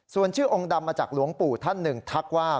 ส่วนชื่อองค์ดำมาจากหลวงปู่ท่านหนึ่งทักว่า